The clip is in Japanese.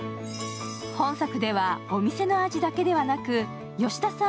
本作ではお店の味だけではなく吉田さん